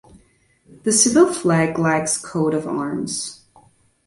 The Civil flag lacks Coat of Arms.